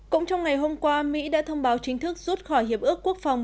cũng trong ngày hôm qua mỹ đã thông báo chính thức rút khỏi hiệp ước quốc phòng